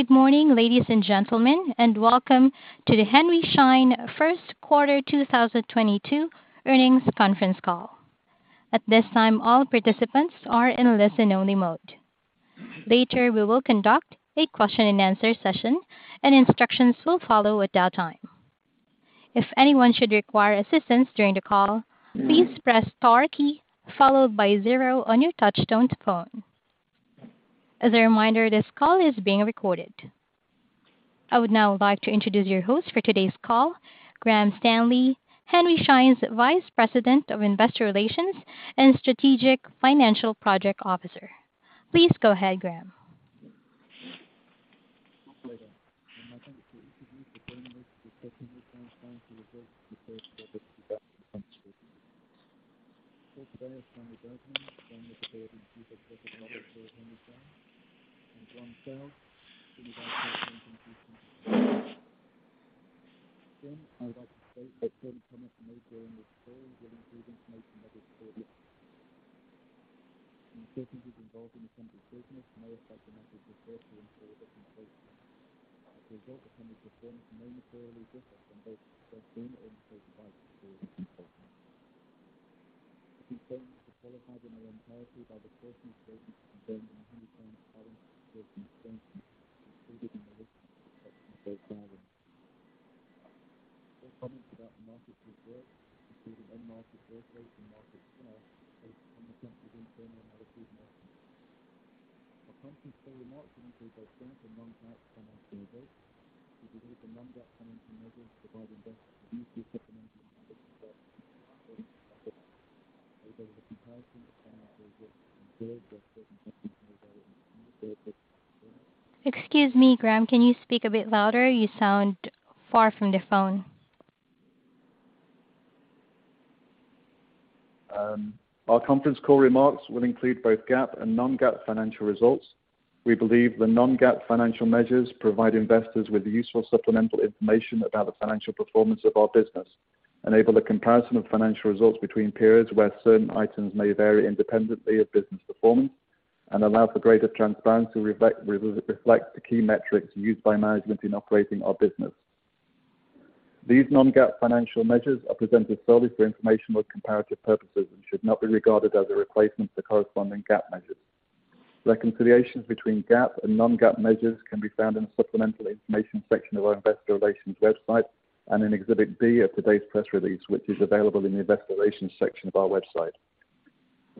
Good morning, ladies and gentlemen, and welcome to the Henry Schein First Quarter 2022 earnings conference call. At this time, all participants are in listen-only mode. Later, we will conduct a question-and-answer session, and instructions will follow at that time. If anyone should require assistance during the call, please press star key followed by zero on your touch-tone phone. As a reminder, this call is being recorded. I would now like to introduce your host for today's call, Graham Stanley, Henry Schein's Vice President of Investor Relations and Strategic Financial Project Officer. Please go ahead, Graham. I would like to state that certain comments made during this call will include information that is forward-looking. Circumstances involved in the company's business may affect the company's ability to achieve its goals. As a result, the company's performance may materially differ from that foreseen or implied by future reports. The statements qualify in their entirety by the caution statements contained in Henry Schein's current reports and statements included in the list of Excuse me, Graham, can you speak a bit louder? You sound far from the phone. Our conference call remarks will include both GAAP and non-GAAP financial results. We believe the non-GAAP financial measures provide investors with useful supplemental information about the financial performance of our business, enable the comparison of financial results between periods where certain items may vary independently of business performance, and allow for greater transparency to reflect the key metrics used by management in operating our business. These non-GAAP financial measures are presented solely for informational comparative purposes and should not be regarded as a replacement for corresponding GAAP measures. Reconciliations between GAAP and non-GAAP measures can be found in the supplemental information section of our investor relations website and in Exhibit B of today's press release, which is available in the investor relations section of our website.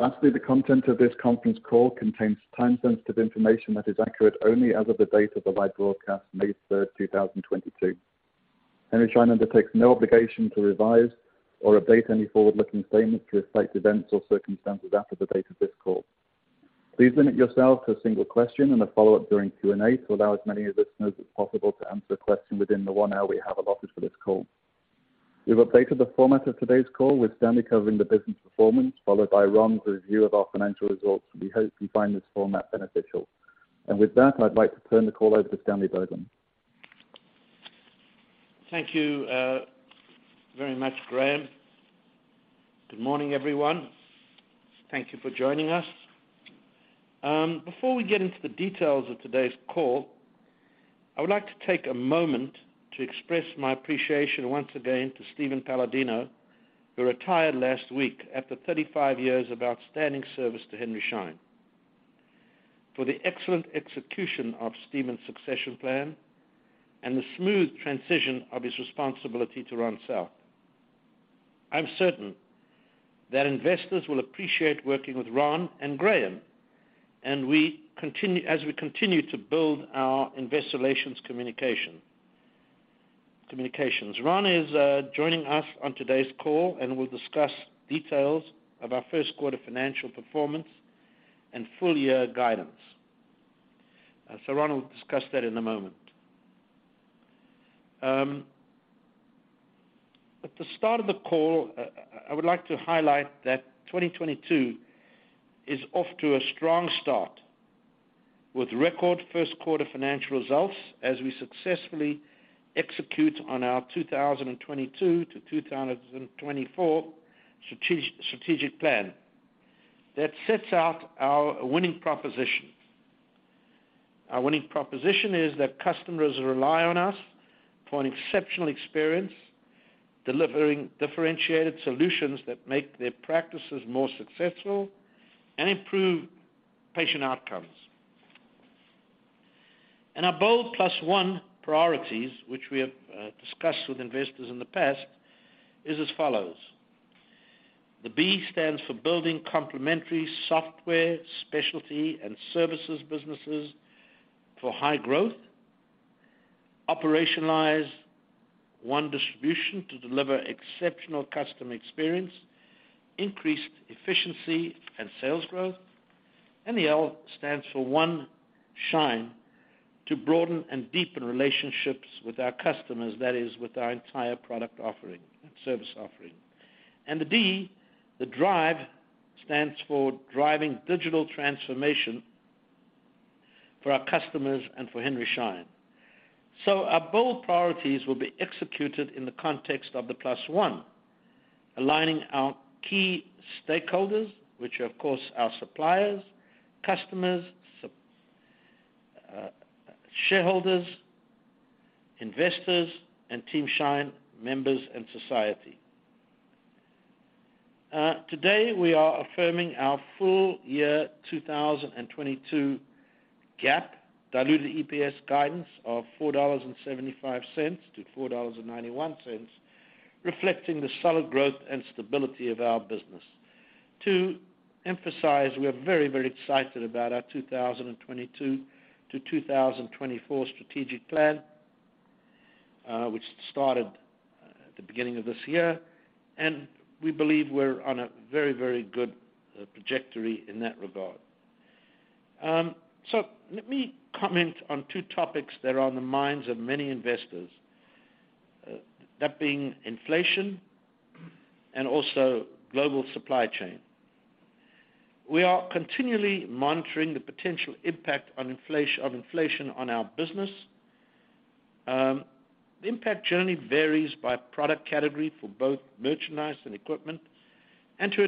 Lastly, the content of this conference call contains time-sensitive information that is accurate only as of the date of the live broadcast, May 3rd, 2022. Henry Schein undertakes no obligation to revise or update any forward-looking statements to reflect events or circumstances after the date of this call. Please limit yourself to a single question and a follow-up during Q&A to allow as many of the listeners as possible to answer a question within the one hour we have allotted for this call. We've updated the format of today's call, with Stanley covering the business performance, followed by Ron's review of our financial results. We hope you find this format beneficial. With that, I'd like to turn the call over to Stanley Bergman. Thank you, very much, Graham. Good morning, everyone. Thank you for joining us. Before we get into the details of today's call, I would like to take a moment to express my appreciation once again to Steven Paladino, who retired last week after 35 years of outstanding service to Henry Schein. For the excellent execution of Steven's succession plan and the smooth transition of his responsibility to Ron South. I'm certain that investors will appreciate working with Ron and Graham, and as we continue to build our investor relations communications. Ron is joining us on today's call and will discuss details of our first quarter financial performance and full year guidance. Ron will discuss that in a moment. At the start of the call, I would like to highlight that 2022 is off to a strong start with record first quarter financial results as we successfully execute on our 2022 to 2024 strategic plan. That sets out our winning proposition. Our winning proposition is that customers rely on us for an exceptional experience, delivering differentiated solutions that make their practices more successful and improve patient outcomes. Our Bold+1 priorities, which we have discussed with investors in the past, is as follows. The B stands for Building complementary software, specialty, and services businesses for high growth. Operationalize one distribution to deliver exceptional customer experience, increased efficiency, and sales growth. The L stands for One Schein to broaden and deepen relationships with our customers, that is, with our entire product offering and service offering. The D, the Drive, stands for driving digital transformation for our customers and for Henry Schein. Our bold priorities will be executed in the context of the plus one, aligning our key stakeholders, which are of course our suppliers, customers, shareholders, investors and Team Schein members and society. Today we are affirming our full year 2022 GAAP diluted EPS guidance of $4.75-$4.91, reflecting the solid growth and stability of our business. To emphasize, we are very, very excited about our 2022-2024 strategic plan, which started at the beginning of this year, and we believe we're on a very, very good trajectory in that regard. Let me comment on two topics that are on the minds of many investors, that being inflation and also global supply chain. We are continually monitoring the potential impact on inflation on our business. The impact generally varies by product category for both merchandise and equipment, and to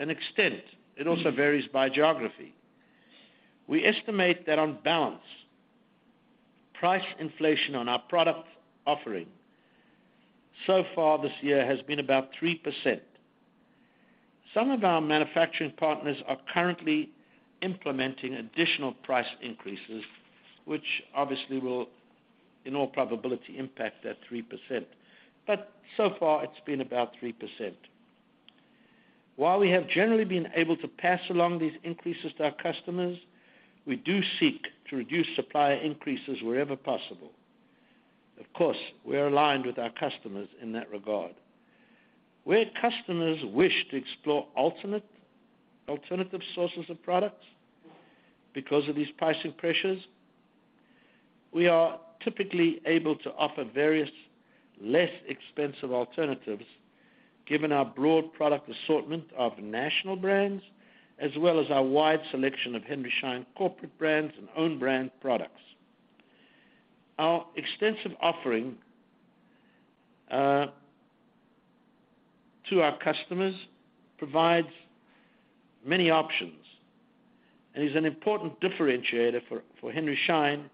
an extent, it also varies by geography. We estimate that on balance, price inflation on our product offering so far this year has been about 3%. Some of our manufacturing partners are currently implementing additional price increases, which obviously will, in all probability, impact that 3%. So far it's been about 3%. While we have generally been able to pass along these increases to our customers, we do seek to reduce supplier increases wherever possible. Of course, we are aligned with our customers in that regard. Where customers wish to explore ultimate alternative sources of products because of these pricing pressures, we are typically able to offer various less expensive alternatives given our broad product assortment of national brands, as well as our wide selection of Henry Schein corporate brands and own brand products. Our extensive offering to our customers provides many options and is an important differentiator for Henry Schein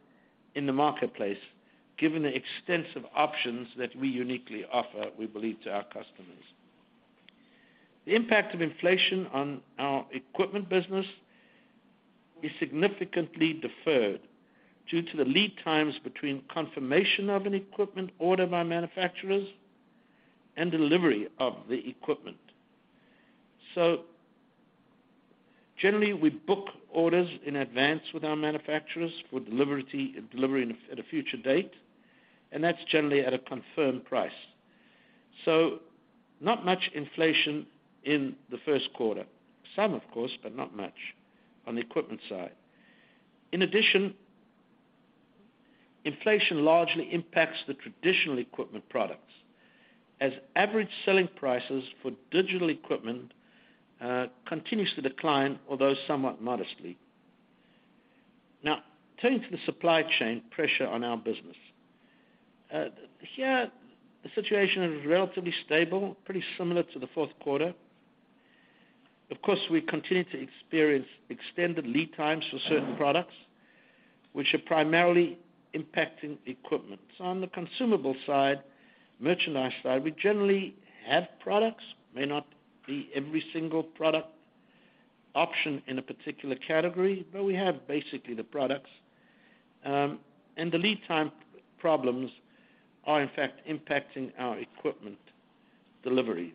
in the marketplace, given the extensive options that we uniquely offer, we believe, to our customers. The impact of inflation on our equipment business is significantly deferred due to the lead times between confirmation of an equipment order by manufacturers and delivery of the equipment. Generally, we book orders in advance with our manufacturers for delivery at a future date, and that's generally at a confirmed price. Not much inflation in the first quarter. Some of course, but not much on the equipment side. In addition, inflation largely impacts the traditional equipment products as average selling prices for digital equipment continues to decline, although somewhat modestly. Now, turning to the supply chain pressure on our business. Here the situation is relatively stable, pretty similar to the fourth quarter. Of course, we continue to experience extended lead times for certain products, which are primarily impacting equipment. On the consumable side, merchandise side, we generally have products. May not be every single product option in a particular category, but we have basically the products. And the lead time problems are in fact impacting our equipment deliveries.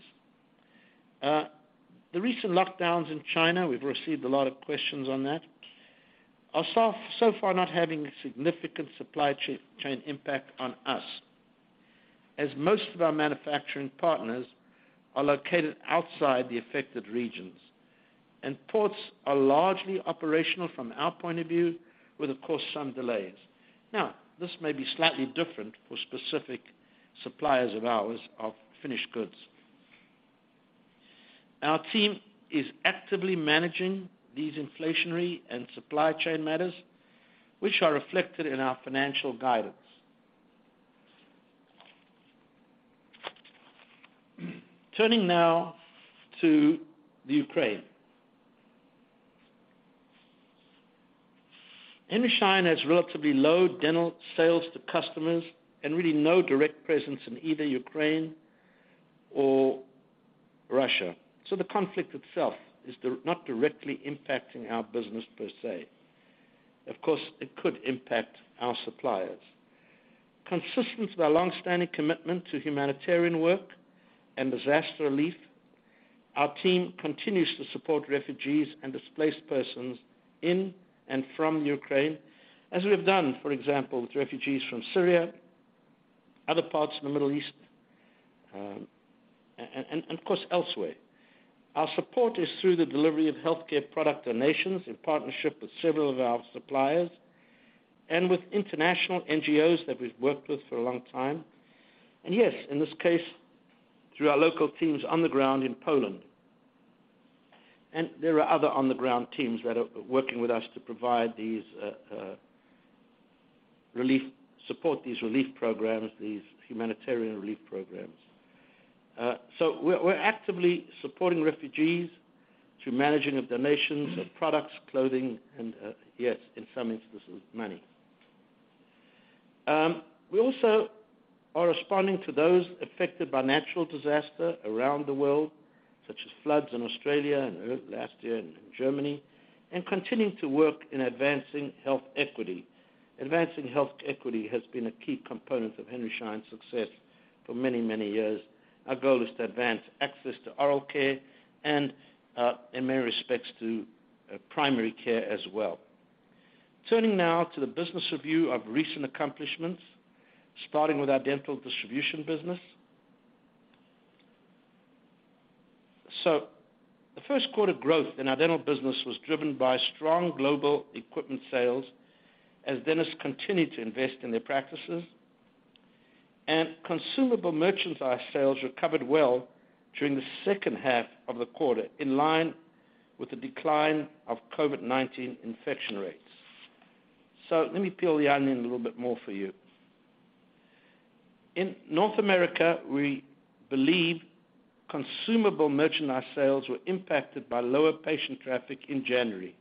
The recent lockdowns in China, we've received a lot of questions on that, are so far not having a significant supply chain impact on us, as most of our manufacturing partners are located outside the affected regions and ports are largely operational from our point of view with of course some delays. Now, this may be slightly different for specific suppliers of ours of finished goods. Our team is actively managing these inflationary and supply chain matters, which are reflected in our financial guidance. Turning now to the Ukraine. Henry Schein has relatively low dental sales to customers and really no direct presence in either Ukraine or Russia. The conflict itself is not directly impacting our business per se. Of course, it could impact our suppliers. Consistent with our long-standing commitment to humanitarian work and disaster relief, our team continues to support refugees and displaced persons in and from Ukraine as we have done, for example, with refugees from Syria, other parts of the Middle East, and of course, elsewhere. Our support is through the delivery of healthcare product donations in partnership with several of our suppliers and with international NGOs that we've worked with for a long time. Yes, in this case, through our local teams on the ground in Poland. There are other on the ground teams that are working with us to provide these support these relief programs, these humanitarian relief programs. We're actively supporting refugees through managing of donations of products, clothing, and in some instances, money. We also are responding to those affected by natural disaster around the world, such as floods in Australia and last year in Germany, and continuing to work in advancing health equity. Advancing health equity has been a key component of Henry Schein success for many years. Our goal is to advance access to oral care and in many respects to primary care as well. Turning now to the business review of recent accomplishments, starting with our dental distribution business. The first quarter growth in our dental business was driven by strong global equipment sales as dentists continued to invest in their practices. Consumable merchandise sales recovered well during the second half of the quarter, in line with the decline of COVID-19 infection rates. Let me peel the onion a little bit more for you. In North America, we believe consumable merchandise sales were impacted by lower patient traffic in January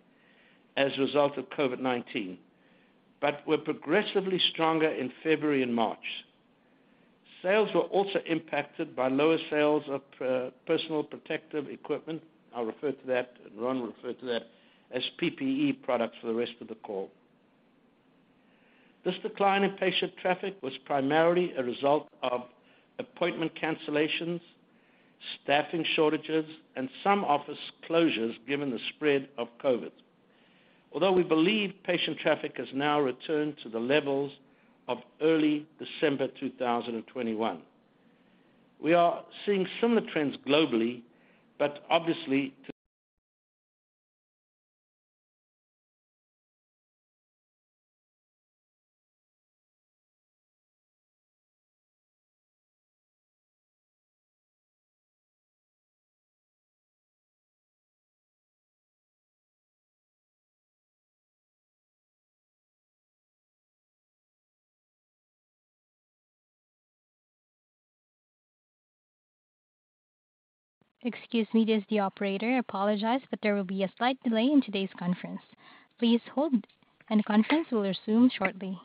as a result of COVID-19, but were progressively stronger in February and March. Sales were also impacted by lower sales of personal protective equipment. I'll refer to that, and Ron will refer to that, as PPE products for the rest of the call. This decline in patient traffic was primarily a result of appointment cancellations, staffing shortages, and some office closures given the spread of COVID. Although we believe patient traffic has now returned to the levels of early December 2021. We are seeing similar trends globally, but obviously. Excuse me, this is the operator. I apologize, but there will be a slight delay in today's conference. Please hold and the conference will resume shortly.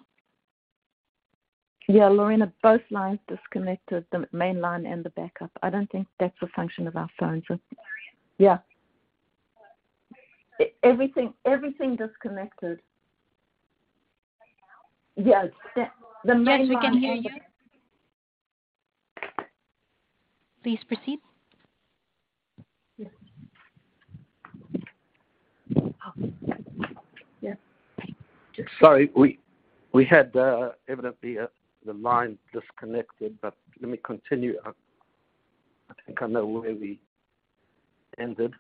Yeah, Lorena, both lines disconnected, the main line and the backup. I don't think that's a function of our phones. Yeah. Everything disconnected. Right now? Yes. The main line. Yes, we can hear you. Please proceed. Yeah. Yeah. Sorry, we had evidently the line disconnected, but let me continue. I think I know where we ended.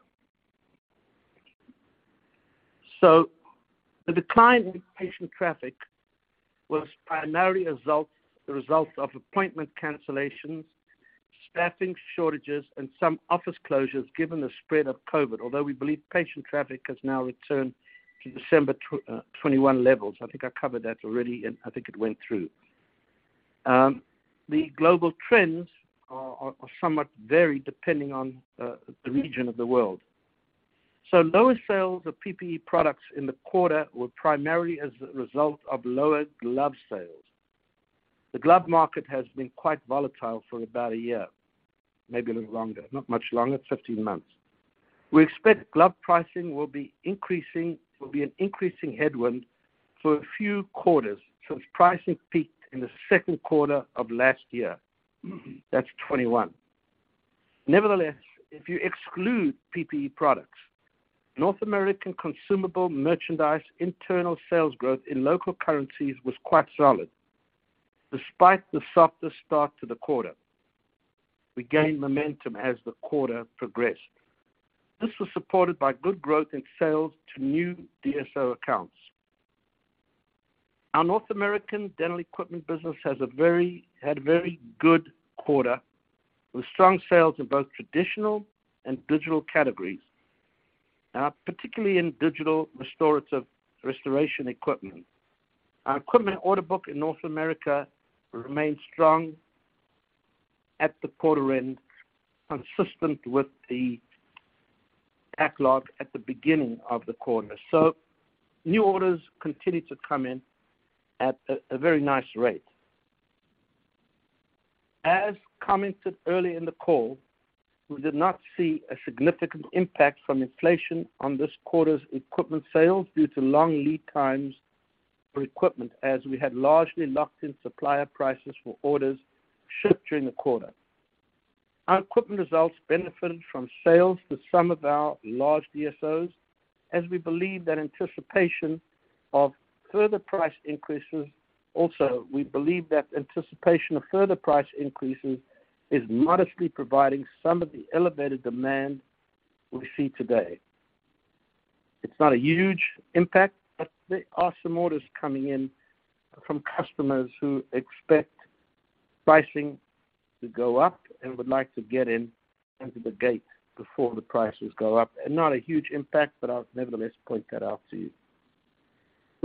The decline in patient traffic was primarily a result of appointment cancellations, staffing shortages, and some office closures given the spread of COVID. Although we believe patient traffic has now returned to December 2021 levels. I think I covered that already, and I think it went through. The global trends are somewhat varied depending on the region of the world. Lower sales of PPE products in the quarter were primarily as a result of lower glove sales. The glove market has been quite volatile for about a year, maybe a little longer, not much longer, 15 months. We expect glove pricing will be an increasing headwind for a few quarters since pricing peaked in the second quarter of last year. That's 2021. Nevertheless, if you exclude PPE products, North American consumable merchandise internal sales growth in local currencies was quite solid. Despite the softer start to the quarter, we gained momentum as the quarter progressed. This was supported by good growth in sales to new DSO accounts. Our North American dental equipment business had a very good quarter, with strong sales in both traditional and digital categories, particularly in digital restorative equipment. Our equipment order book in North America remained strong at the quarter end, consistent with the backlog at the beginning of the quarter. New orders continued to come in at a very nice rate. As commented early in the call, we did not see a significant impact from inflation on this quarter's equipment sales due to long lead times for equipment, as we had largely locked in supplier prices for orders shipped during the quarter. Our equipment results benefited from sales to some of our large DSOs. Also, we believe that anticipation of further price increases is modestly providing some of the elevated demand we see today. It's not a huge impact, but there are some orders coming in from customers who expect pricing to go up and would like to get in into the gate before the prices go up. Not a huge impact, but I'll nevertheless point that out to you.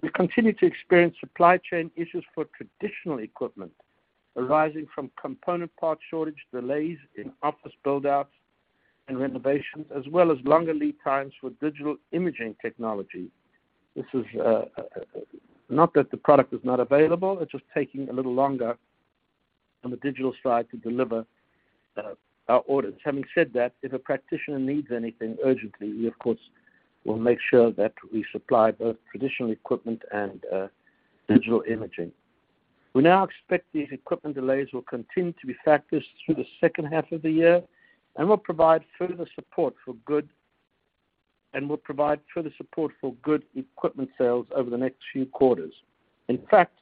We continue to experience supply chain issues for traditional equipment arising from component part shortage, delays in office build outs and renovations, as well as longer lead times for digital imaging technology. This is not that the product is not available, it's just taking a little longer on the digital side to deliver our orders. Having said that, if a practitioner needs anything urgently, we of course will make sure that we supply both traditional equipment and digital imaging. We now expect these equipment delays will continue to be factors through the second half of the year and will provide further support for good equipment sales over the next few quarters. In fact,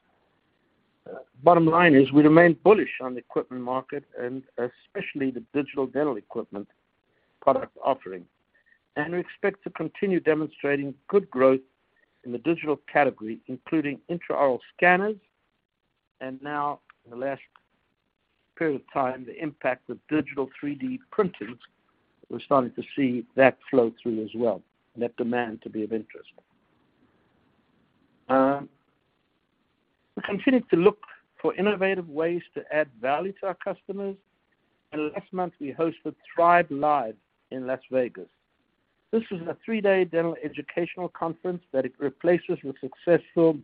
bottom line is we remain bullish on the equipment market and especially the digital dental equipment product offering. We expect to continue demonstrating good growth in the digital category, including intraoral scanners. Now in the last period of time, the impact of digital 3D printing, we're starting to see that flow through as well, and that demand to be of interest. We continue to look for innovative ways to add value to our customers. Last month we hosted THRIVELIVE in Las Vegas. This was a three-day dental educational conference that replaces the successful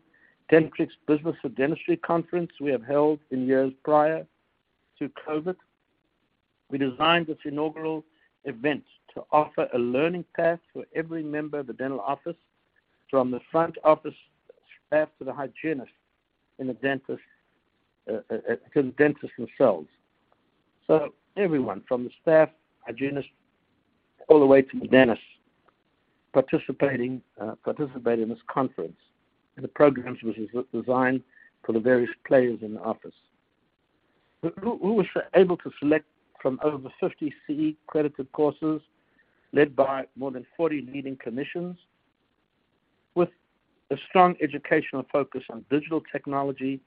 Dentrix Business of Dentistry conference we have held in years prior to COVID. We designed this inaugural event to offer a learning path for every member of the dental office, from the front office staff to the hygienist and the dentist, to the dentist themselves. Everyone from the staff, hygienist, all the way to the dentist participated in this conference. The programs was designed for the various players in the office. Who were able to select from over 50 CE credited courses led by more than 40 leading clinicians with a strong educational focus on digital technology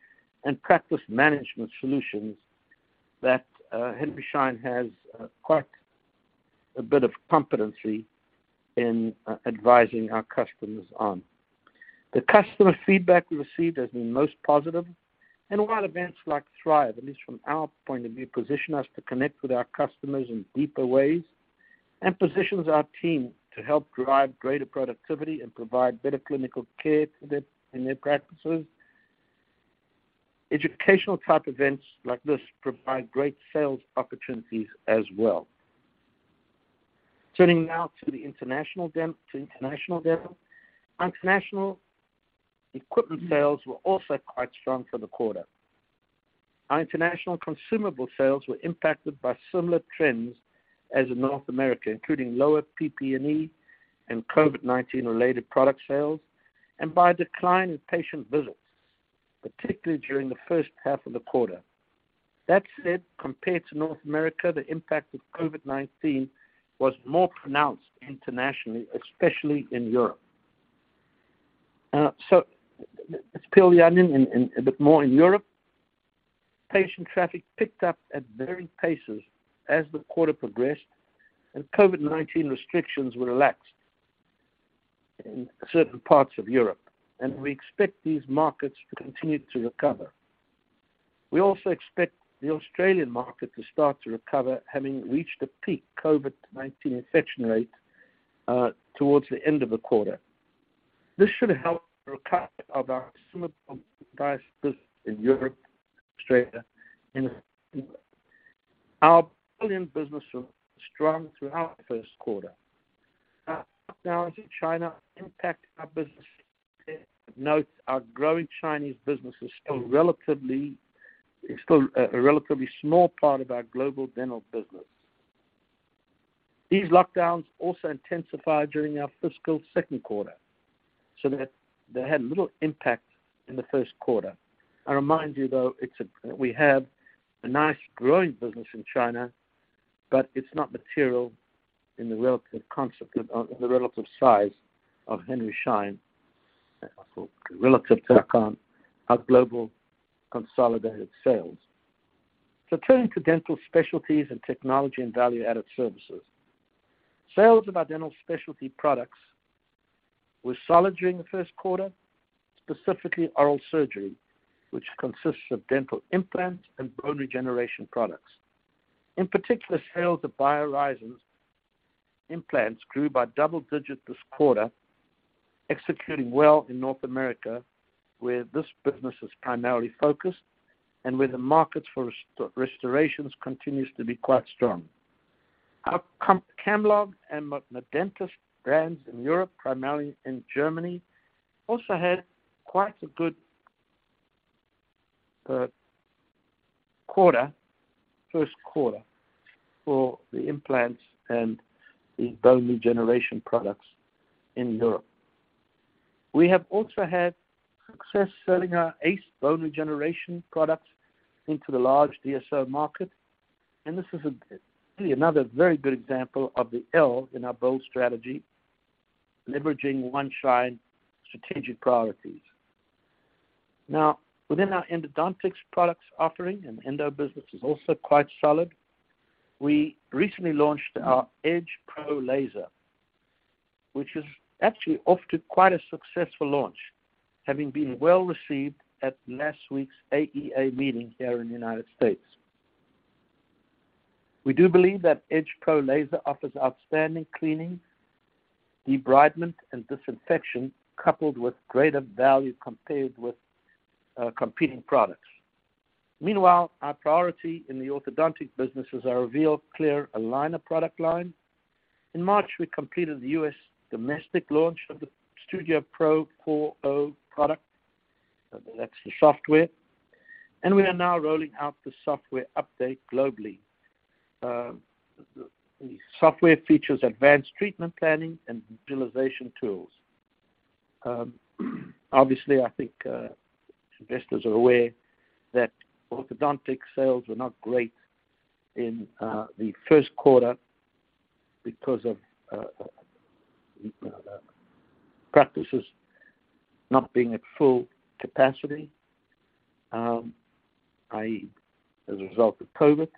and practice management solutions that Henry Schein has quite a bit of competency in advising our customers on. The customer feedback we received has been most positive. While events like THRIVELIVE, at least from our point of view, position us to connect with our customers in deeper ways and positions our team to help drive greater productivity and provide better clinical care in their practices. Educational type events like this provide great sales opportunities as well. Turning now to international dental. International equipment sales were also quite strong for the quarter. Our international consumable sales were impacted by similar trends as in North America, including lower PPE and COVID-19 related product sales, and by a decline in patient visits, particularly during the first half of the quarter. That said, compared to North America, the impact of COVID-19 was more pronounced internationally, especially in Europe. Let's peel the onion on a bit more on Europe. Patient traffic picked up at varying paces as the quarter progressed and COVID-19 restrictions were relaxed in certain parts of Europe, and we expect these markets to continue to recover. We also expect the Australian market to start to recover, having reached a peak COVID-19 infection rate towards the end of the quarter. This should help recover our consumable/device business in Europe, Australia, and England. Our implant business was strong throughout the first quarter. Now, China impact our business. Note, our growing Chinese business is still a relatively small part of our global dental business. These lockdowns also intensified during our fiscal second quarter, so they had little impact in the first quarter. I remind you though, it's we have a nice growing business in China, but it's not material in the relative size of Henry Schein, relative to our global consolidated sales. Turning to dental specialties and technology and value-added services. Sales of our dental specialty products were solid during the first quarter, specifically oral surgery, which consists of dental implants and bone regeneration products. In particular, sales of BioHorizons implants grew by double-digit this quarter, executing well in North America, where this business is primarily focused and where the markets for restorations continues to be quite strong. Our Camlog and Medentis brands in Europe, primarily in Germany, also had quite a good quarter, first quarter for the implants and the bone regeneration products in Europe. We have also had success selling our ACE bone regeneration products into the large DSO market, and this is a really another very good example of the L in our BOLD strategy, leveraging One Schein strategic priorities. Now, within our endodontics products offering, endo business is also quite solid. We recently launched our EdgePRO Laser, which is actually off to quite a successful launch, having been well-received at last week's AAE meeting here in the United States. We do believe that EdgePRO Laser offers outstanding cleaning, debridement, and disinfection, coupled with greater value compared with competing products. Meanwhile, our priority in the orthodontic business is our Reveal clear aligner product line. In March, we completed the U.S. domestic launch of the Studio Pro CoreO product, that's the software, and we are now rolling out the software update globally. The software features advanced treatment planning and visualization tools. Obviously, I think, investors are aware that orthodontic sales were not great in the first quarter because of practices not being at full capacity, i.e., as a result of COVID.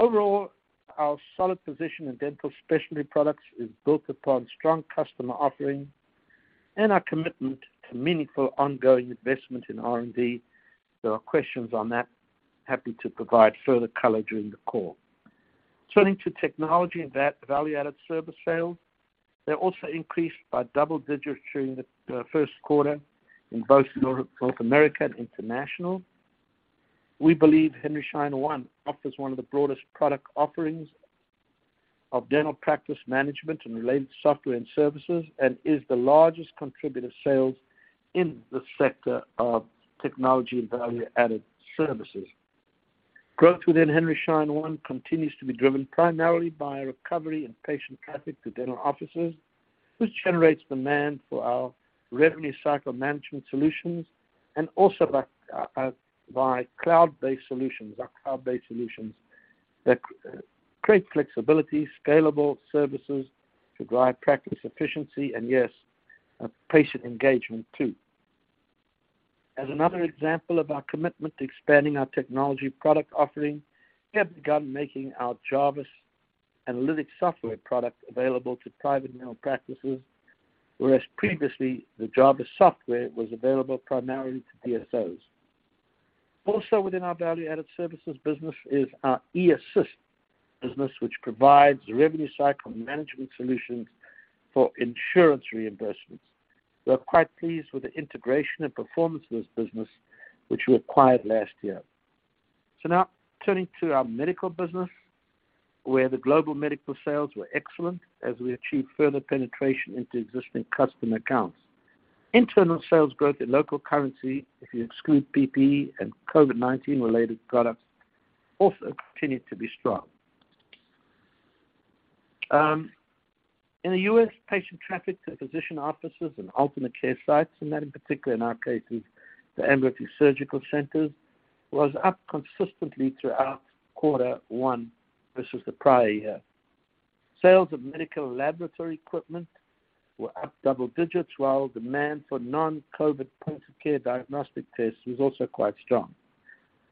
Overall, our solid position in dental specialty products is built upon strong customer offering and our commitment to meaningful ongoing investment in R&D. If there are questions on that, happy to provide further color during the call. Turning to technology and value-added service sales. They also increased by double digits during the first quarter in both North America and International. We believe Henry Schein One offers one of the broadest product offerings of dental practice management and related software and services, and is the largest contributor to sales in the sector of technology and value-added services. Growth within Henry Schein One continues to be driven primarily by recovery in patient traffic to dental offices, which generates demand for our revenue cycle management solutions and also by cloud-based solutions that create flexibility, scalable services to drive practice efficiency, and yes, patient engagement too. As another example of our commitment to expanding our technology product offering, we have begun making our Jarvis Analytics software product available to private dental practices, whereas previously, the Jarvis software was available primarily to DSOs. Also within our value-added services business is our eAssist business, which provides revenue cycle management solutions for insurance reimbursements. We are quite pleased with the integration and performance of this business, which we acquired last year. Now turning to our medical business, where the global medical sales were excellent as we achieve further penetration into existing customer accounts. Internal sales growth in local currency, if you exclude PPE and COVID-19 related products, also continued to be strong. In the U.S., patient traffic to physician offices and alternate care sites, and that in particular in our case is the ambulatory surgical centers, was up consistently throughout quarter one versus the prior year. Sales of medical laboratory equipment were up double digits, while demand for non-COVID point of care diagnostic tests was also quite strong.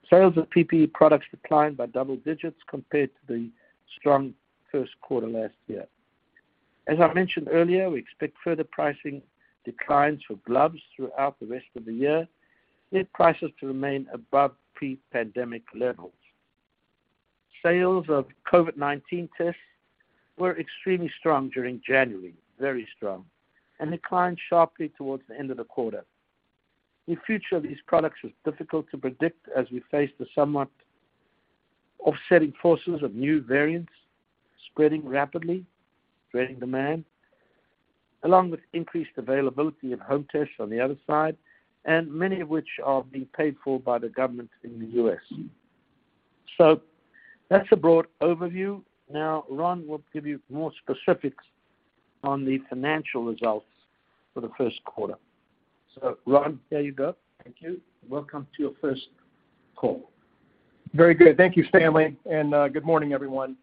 Sales of PPE products declined by double digits compared to the strong first quarter last year. As I mentioned earlier, we expect further pricing declines for gloves throughout the rest of the year, yet prices to remain above pre-pandemic levels. Sales of COVID-19 tests were extremely strong during January, very strong, and declined sharply towards the end of the quarter. The future of these products is difficult to predict as we face the somewhat offsetting forces of new variants spreading rapidly, creating demand, along with increased availability of home tests on the other side, and many of which are being paid for by the government in the U.S. That's a broad overview. Now, Ron will give you more specifics on the financial results for the first quarter. Ron, there you go. Thank you. Welcome to your first call. Very good. Thank you, Stanley. Good morning, everyone.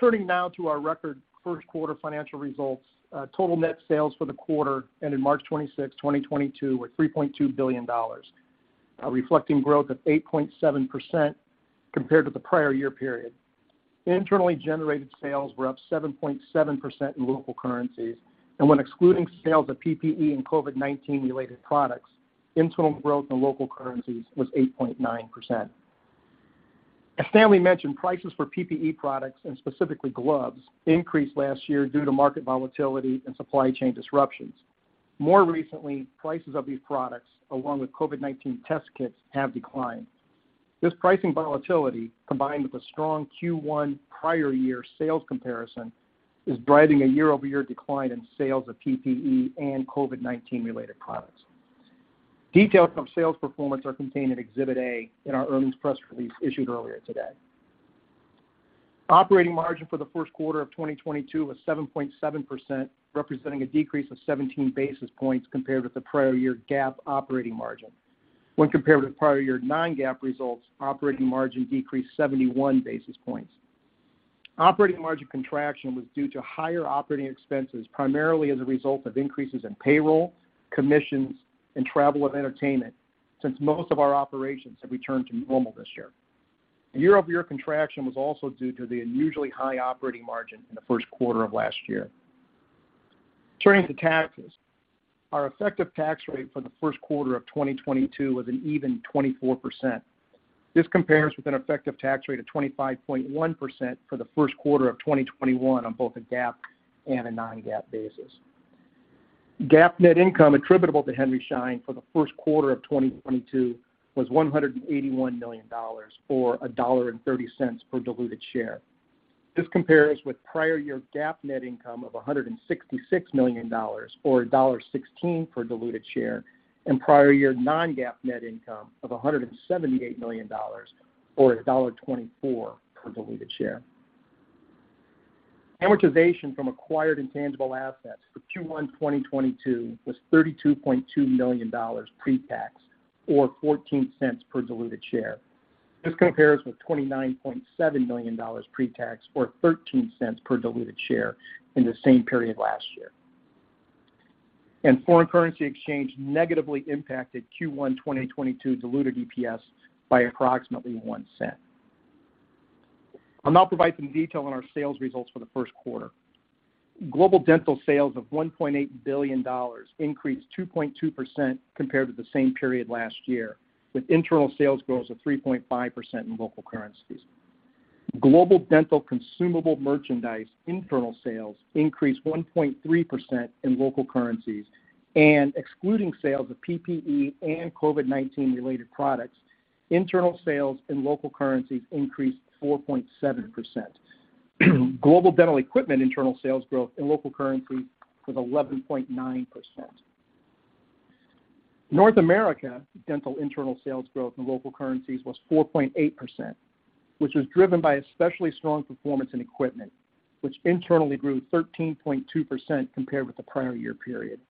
Turning now to our record first quarter financial results. Total net sales for the quarter ended March 26, 2022 were $3.2 billion, reflecting growth of 8.7% compared to the prior year period. Internally generated sales were up 7.7% in local currencies, and when excluding sales of PPE and COVID-19 related products, internal growth in local currencies was 8.9%. As Stanley mentioned, prices for PPE products, and specifically gloves, increased last year due to market volatility and supply chain disruptions. More recently, prices of these products, along with COVID-19 test kits, have declined. This pricing volatility, combined with a strong Q1 prior year sales comparison, is driving a year-over-year decline in sales of PPE and COVID-19 related products. Details of sales performance are contained in Exhibit A in our earnings press release issued earlier today. Operating margin for the first quarter of 2022 was 7.7%, representing a decrease of 17 basis points compared with the prior year GAAP operating margin. When compared with prior year non-GAAP results, operating margin decreased 71 basis points. Operating margin contraction was due to higher operating expenses, primarily as a result of increases in payroll, commissions, and travel and entertainment since most of our operations have returned to normal this year. Year-over-year contraction was also due to the unusually high operating margin in the first quarter of last year. Turning to taxes. Our effective tax rate for the first quarter of 2022 was an even 24%. This compares with an effective tax rate of 25.1% for the first quarter of 2021 on both a GAAP and a non-GAAP basis. GAAP net income attributable to Henry Schein for the first quarter of 2022 was $181 million, or $1.30 per diluted share. This compares with prior year GAAP net income of $166 million, or $1.16 per diluted share, and prior year non-GAAP net income of $178 million or $1.24 per diluted share. Amortization from acquired intangible assets for Q1 2022 was $32.2 million pre-tax, or $0.14 per diluted share. This compares with $29.7 million pre-tax or $0.13 per diluted share in the same period last year. Foreign currency exchange negatively impacted Q1 2022 diluted EPS by approximately $0.01. I'll now provide some detail on our sales results for the first quarter. Global dental sales of $1.8 billion increased 2.2% compared to the same period last year, with internal sales growth of 3.5% in local currencies. Global dental consumable merchandise internal sales increased 1.3% in local currencies and excluding sales of PPE and COVID-19 related products, internal sales in local currencies increased 4.7%. Global dental equipment internal sales growth in local currency was 11.9%. North America dental internal sales growth in local currencies was 4.8%, which was driven by especially strong performance in equipment, which internally grew 13.2% compared with the prior year period,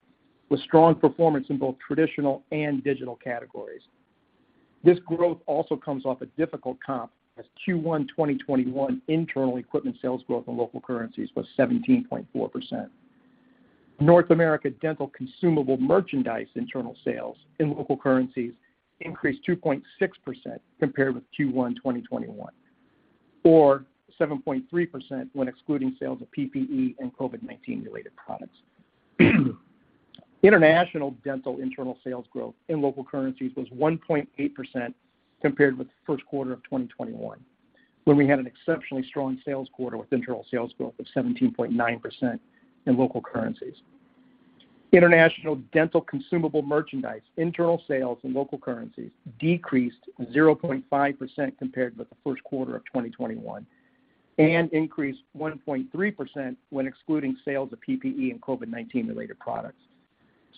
with strong performance in both traditional and digital categories. This growth also comes off a difficult comp as Q1 2021 internal equipment sales growth in local currencies was 17.4%. North America dental consumable merchandise internal sales in local currencies increased 2.6% compared with Q1 2021, or 7.3% when excluding sales of PPE and COVID-19 related products. International dental internal sales growth in local currencies was 1.8% compared with the first quarter of 2021, when we had an exceptionally strong sales quarter with internal sales growth of 17.9% in local currencies. International dental consumable merchandise internal sales in local currencies decreased 0.5% compared with the first quarter of 2021 and increased 1.3% when excluding sales of PPE and COVID-19 related products.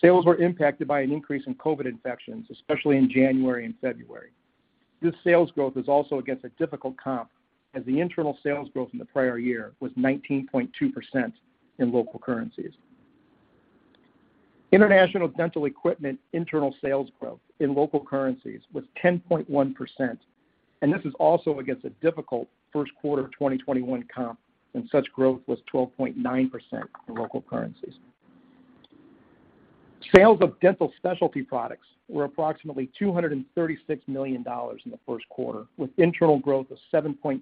Sales were impacted by an increase in COVID infections, especially in January and February. This sales growth is also against a difficult comp, as the internal sales growth in the prior year was 19.2% in local currencies. International dental equipment internal sales growth in local currencies was 10.1%, and this is also against a difficult first quarter of 2021 comp, when such growth was 12.9% in local currencies. Sales of dental specialty products were approximately $236 million in the first quarter, with internal growth of 7.2%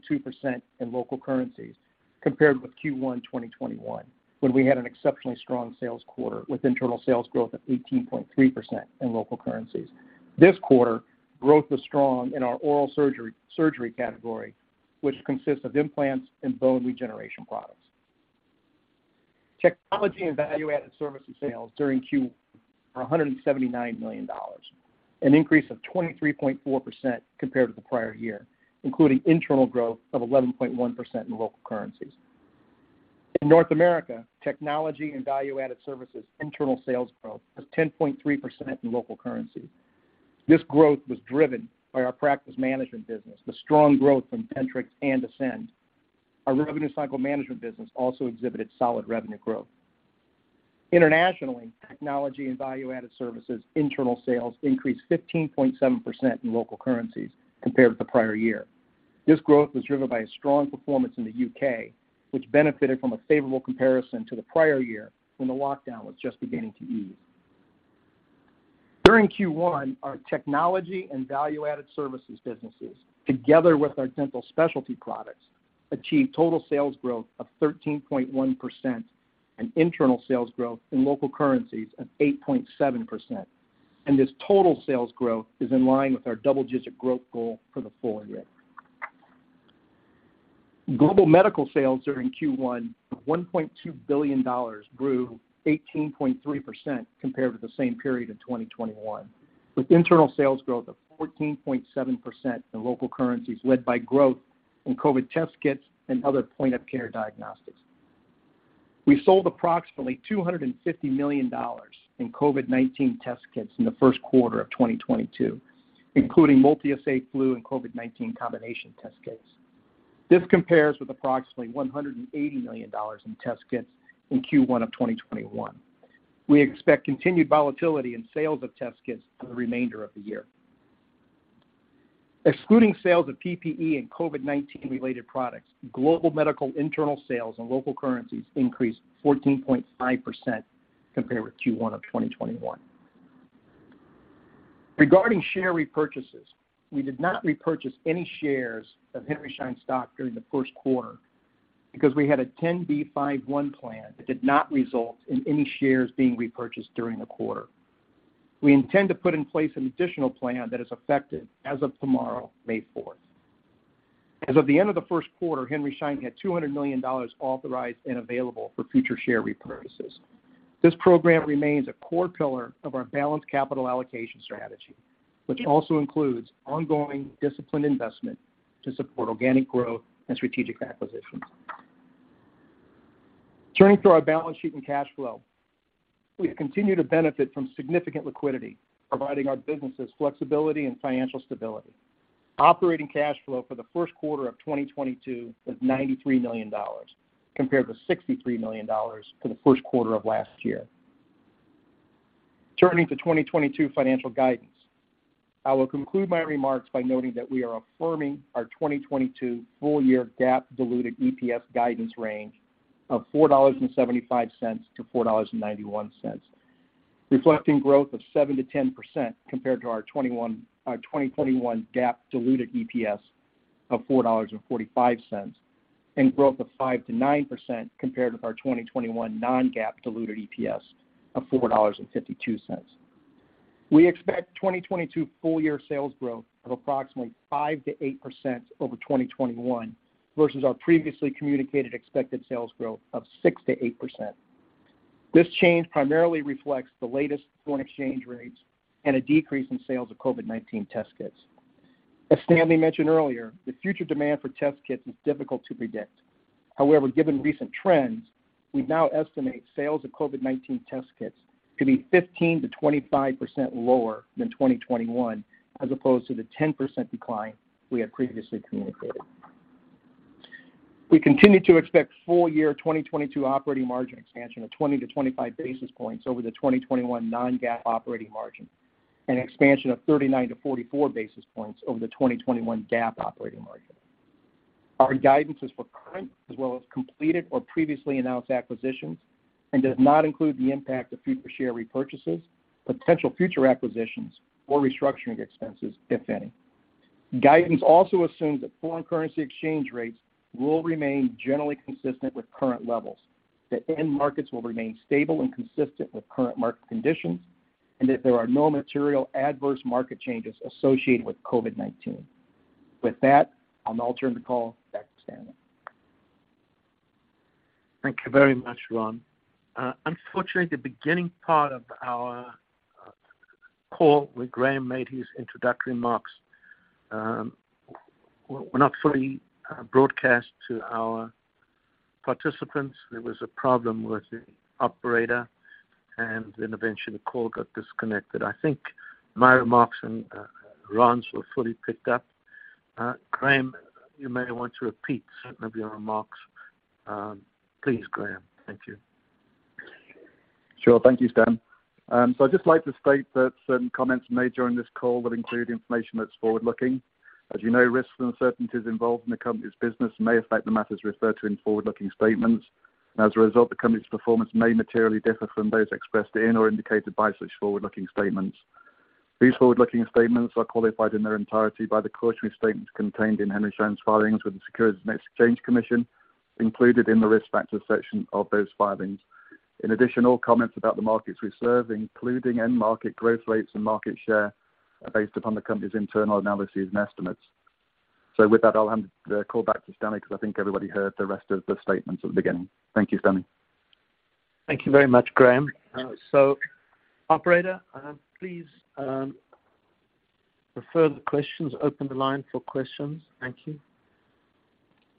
in local currencies compared with Q1 2021, when we had an exceptionally strong sales quarter with internal sales growth of 18.3% in local currencies. This quarter, growth was strong in our oral surgery category, which consists of implants and bone regeneration products. Technology and value added services sales during Q were $179 million, an increase of 23.4% compared to the prior year, including internal growth of 11.1% in local currencies. In North America, technology and value added services internal sales growth was 10.3% in local currency. This growth was driven by our practice management business, the strong growth from Dentrix and Ascend. Our revenue cycle management business also exhibited solid revenue growth. Internationally, technology and value added services internal sales increased 15.7% in local currencies compared with the prior year. This growth was driven by a strong performance in the U.K., which benefited from a favorable comparison to the prior year when the lockdown was just beginning to ease. During Q1, our technology and value added services businesses, together with our dental specialty products, achieved total sales growth of 13.1% and internal sales growth in local currencies of 8.7%. This total sales growth is in line with our double-digit growth goal for the full year. Global medical sales during Q1 of $1.2 billion grew 18.3% compared with the same period in 2021, with internal sales growth of 14.7% in local currencies led by growth in COVID test kits and other point of care diagnostics. We sold approximately $250 million in COVID-19 test kits in the first quarter of 2022, including multi-assay flu and COVID-19 combination test kits. This compares with approximately $180 million in test kits in Q1 of 2021. We expect continued volatility in sales of test kits for the remainder of the year. Excluding sales of PPE and COVID-19 related products, global medical internal sales in local currencies increased 14.5% compared with Q1 of 2021. Regarding share repurchases, we did not repurchase any shares of Henry Schein stock during the first quarter because we had a 10b5-1 plan that did not result in any shares being repurchased during the quarter. We intend to put in place an additional plan that is effective as of tomorrow, May fourth. As of the end of the first quarter, Henry Schein had $200 million authorized and available for future share repurchases. This program remains a core pillar of our balanced capital allocation strategy, which also includes ongoing disciplined investment to support organic growth and strategic acquisitions. Turning to our balance sheet and cash flow. We continue to benefit from significant liquidity, providing our businesses flexibility and financial stability. Operating cash flow for the first quarter of 2022 was $93 million, compared to $63 million for the first quarter of last year. Turning to 2022 financial guidance. I will conclude my remarks by noting that we are affirming our 2022 full year GAAP diluted EPS guidance range of $4.75-$4.91, reflecting growth of 7%-10% compared to our 2021 GAAP diluted EPS of $4.45, and growth of 5%-9% compared with our 2021 non-GAAP diluted EPS of $4.52. We expect 2022 full year sales growth of approximately 5%-8% over 2021 versus our previously communicated expected sales growth of 6%-8%. This change primarily reflects the latest foreign exchange rates and a decrease in sales of COVID-19 test kits. As Stanley mentioned earlier, the future demand for test kits is difficult to predict. However, given recent trends, we now estimate sales of COVID-19 test kits to be 15%-25% lower than 2021, as opposed to the 10% decline we had previously communicated. We continue to expect full year 2022 operating margin expansion of 20-25 basis points over the 2021 non-GAAP operating margin, and expansion of 39-44 basis points over the 2021 GAAP operating margin. Our guidance is for current as well as completed or previously announced acquisitions and does not include the impact of future share repurchases, potential future acquisitions or restructuring expenses, if any. Guidance also assumes that foreign currency exchange rates will remain generally consistent with current levels, that end markets will remain stable and consistent with current market conditions, and that there are no material adverse market changes associated with COVID-19. With that, I'll now turn the call back to Stanley. Thank you very much, Ron. Unfortunately, the beginning part of our call where Graham made his introductory remarks were not fully broadcast to our participants. There was a problem with the operator and then eventually the call got disconnected. I think my remarks and Ron's were fully picked up. Graham, you may want to repeat certain of your remarks. Please, Graham. Thank you. Sure. Thank you, Stan. I'd just like to state that certain comments made during this call that include information that's forward-looking. As you know, risks and uncertainties involved in the company's business may affect the matters referred to in forward-looking statements. As a result, the company's performance may materially differ from those expressed in or indicated by such forward-looking statements. These forward-looking statements are qualified in their entirety by the cautionary statements contained in Henry Schein's filings with the Securities and Exchange Commission, included in the Risk Factors section of those filings. In addition, all comments about the markets we serve, including end market growth rates and market share, are based upon the company's internal analyses and estimates. With that, I'll hand the call back to Stanley, because I think everybody heard the rest of the statements at the beginning. Thank you, Stanley. Thank you very much, Graham. Operator, please, for further questions, open the line for questions. Thank you.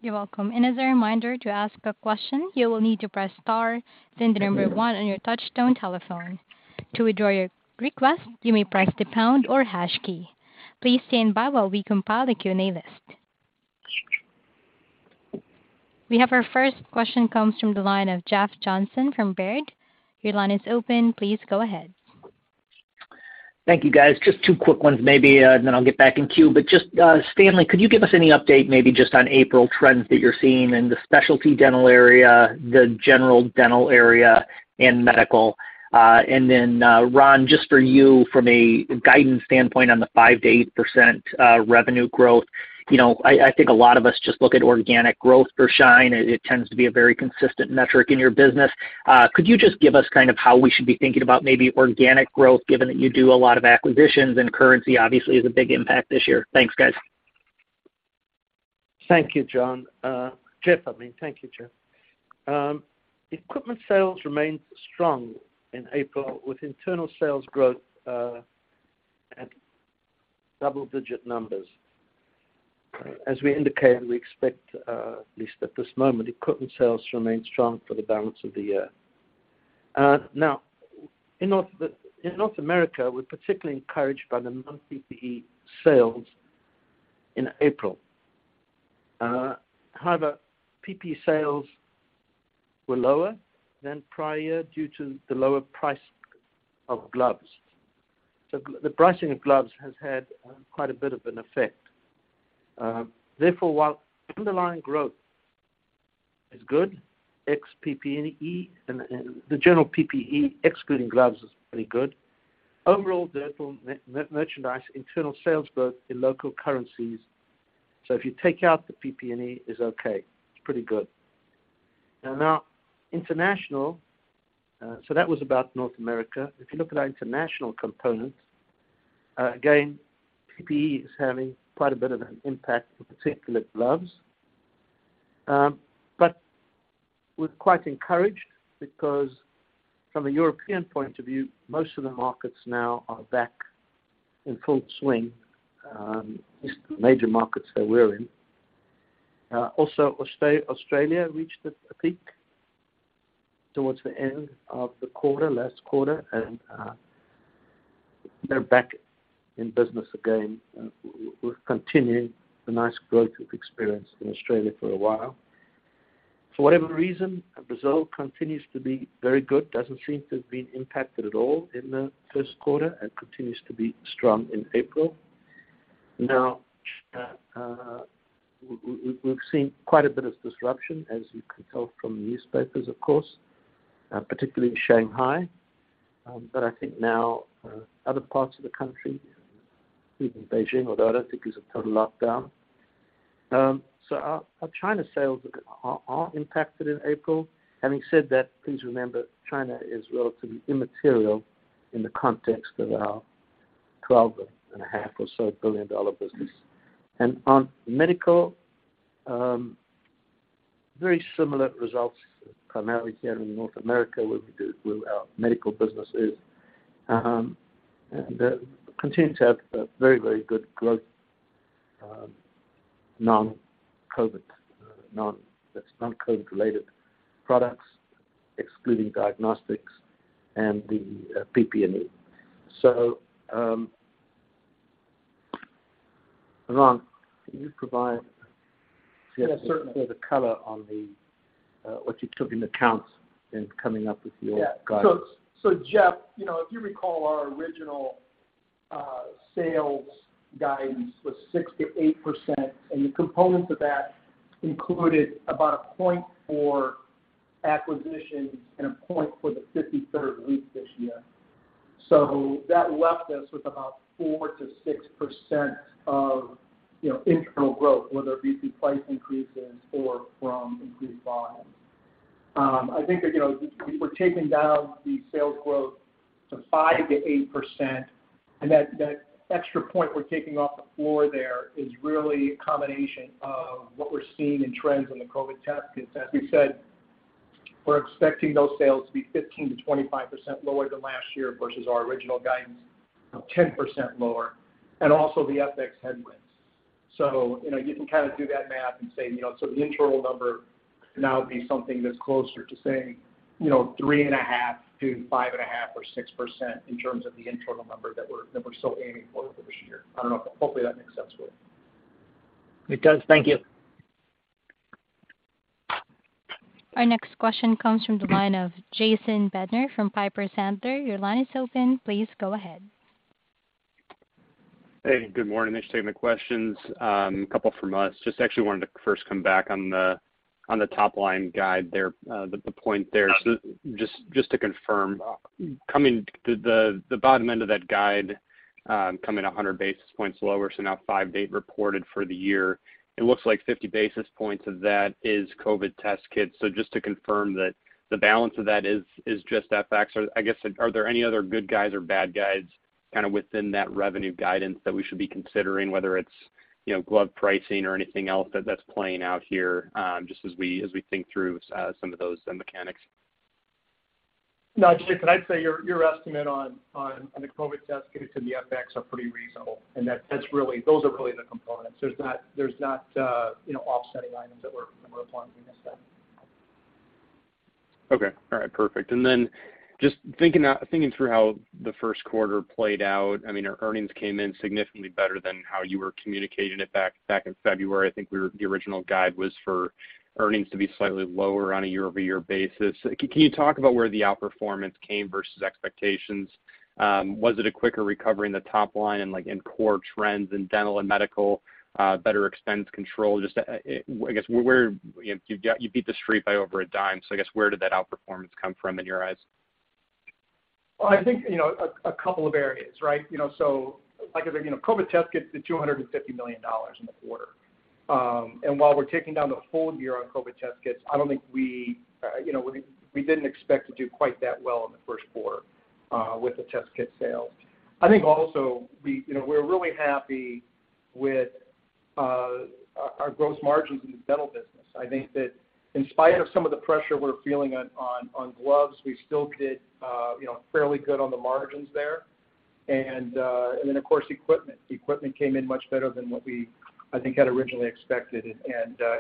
You're welcome. As a reminder to ask a question, you will need to press star then the number one on your touch-tone telephone. To withdraw your request, you may press the pound or hash key. Please stand by while we compile the Q&A list. We have our first question comes from the line of Jeff Johnson from Baird. Your line is open. Please go ahead. Thank you, guys. Just two quick ones, maybe, and then I'll get back in queue. Just, Stanley, could you give us any update maybe just on April trends that you're seeing in the specialty dental area, the general dental area, and medical? Then, Ron, just for you from a guidance standpoint on the 5%-8% revenue growth. You know, I think a lot of us just look at organic growth for Schein. It tends to be a very consistent metric in your business. Could you just give us kind of how we should be thinking about maybe organic growth, given that you do a lot of acquisitions and currency obviously is a big impact this year? Thanks, guys. Thank you, Jeff. Equipment sales remained strong in April with internal sales growth at double-digit numbers. As we indicated, we expect, at least at this moment, equipment sales to remain strong for the balance of the year. Now in North America, we're particularly encouraged by the non-PPE sales in April. However, PPE sales were lower than prior year due to the lower price of gloves. So the pricing of gloves has had quite a bit of an effect. Therefore, while underlying growth is good, ex PPE and the general PPE excluding gloves is pretty good. Overall, therefore, merchandise internal sales growth in local currencies. So if you take out the PPE is okay. It's pretty good. Now international. So that was about North America. If you look at our international component, again, PPE is having quite a bit of an impact, in particular gloves. We're quite encouraged because from a European point of view, most of the markets now are back in full swing, at least the major markets that we're in. Also Australia reached a peak towards the end of the quarter, last quarter. They're back in business again. We're continuing the nice growth we've experienced in Australia for a while. For whatever reason, Brazil continues to be very good. Doesn't seem to have been impacted at all in the first quarter and continues to be strong in April. Now, we've seen quite a bit of disruption, as you can tell from the newspapers, of course, particularly in Shanghai. I think now other parts of the country, even Beijing, although I don't think is a total lockdown. Our China sales are impacted in April. Having said that, please remember China is relatively immaterial in the context of our $12.5 or so BioHorizons business. On medical, very similar results primarily here in North America, where our medical business is. They continue to have very good growth, that's non-COVID related products, excluding diagnostics and the PPE. Ron, can you provide- Yeah, certainly. A bit of color on what you took into account in coming up with your guidance. Yeah. Jeff, you know, if you recall, our original sales guidance was 6%-8%, and the components of that included about a point for acquisitions and a point for the 53rd week this year. That left us with about 4%-6% of, you know, internal growth, whether it be through price increases or from increased volume. I think that, you know, we're taking down the sales growth to 5%-8%, and that extra point we're taking off the floor there is really a combination of what we're seeing in trends in the COVID test kits. As we said, we're expecting those sales to be 15%-25% lower than last year versus our original guidance of 10% lower and also the FX headwinds. You know, you can kind of do that math and say, you know, so the internal number now would be something that's closer to saying, you know, 3.5%-5.5% or 6% in terms of the internal number that we're still aiming for this year. I don't know. Hopefully that makes sense, Will. It does. Thank you. Our next question comes from the line of Jason Bednar from Piper Sandler. Your line is open. Please go ahead. Hey, good morning. Thanks for taking the questions. A couple from us. Just actually wanted to first come back on the top line guide there, the point there. So to confirm, coming to the bottom end of that guide, coming 100 basis points lower, so now five date reported for the year. It looks like 50 basis points of that is COVID test kits. So just to confirm that the balance of that is just FX, or I guess, are there any other good guides or bad guides kind of within that revenue guidance that we should be considering, whether it's, you know, glove pricing or anything else that's playing out here, just as we think through some of those mechanics? No, Jason, I'd say your estimate on the COVID test kits and the FX are pretty reasonable. That's really, those are really the components. There's not, you know, offsetting items that we're applying to this then. Okay. All right, perfect. Just thinking through how the first quarter played out, I mean, our earnings came in significantly better than how you were communicating it back in February. I think the original guide was for earnings to be slightly lower on a year-over-year basis. Can you talk about where the outperformance came versus expectations? Was it a quicker recovery in the top line and like in core trends in dental and medical, better expense control? Just, I guess where you know you beat The Street by over a dime, so I guess where did that outperformance come from in your eyes? Well, I think, you know, a couple of areas, right? You know, so like I said, you know, COVID test kits did $250 million in the quarter. While we're taking down the full year on COVID test kits, I don't think, you know, we didn't expect to do quite that well in the first quarter with the test kit sales. I think also we, you know, we're really happy with our gross margins in the dental business. I think that in spite of some of the pressure we're feeling on gloves, we still did, you know, fairly good on the margins there. Of course, equipment. Equipment came in much better than what we, I think, had originally expected.